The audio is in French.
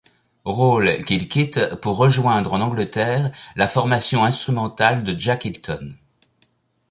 Rôle qu'il quitte pour rejoindre en Angleterre la formation instrumentale de Jack Hylton.